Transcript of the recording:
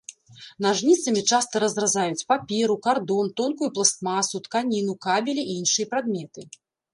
Нажніцамі часта разразаюць паперу, кардон, тонкую пластмасу, тканіну, кабелі і іншыя прадметы.